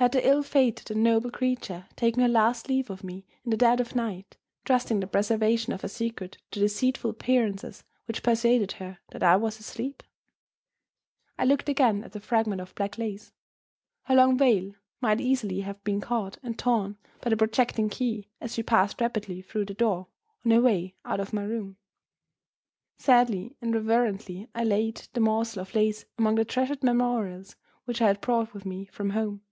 Had the ill fated and noble creature taken her last leave of me in the dead of night, trusting the preservation of her secret to the deceitful appearances which persuaded her that I was asleep? I looked again at the fragment of black lace. Her long veil might easily have been caught, and torn, by the projecting key, as she passed rapidly through the door on her way out of my room. Sadly and reverently I laid the morsel of lace among the treasured memorials which I had brought with me from home.